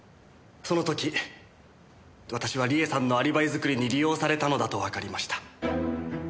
その時私は理恵さんのアリバイ作りに利用されたのだとわかりました。